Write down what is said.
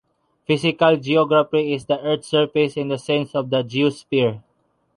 Physical geography is the earth's surface in the sense of the geosphere.